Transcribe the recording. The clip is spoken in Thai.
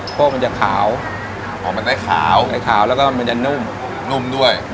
สะโพกมันจะขาวมันได้ขาวแล้วก็มันจะนุ่มนุ่มด้วย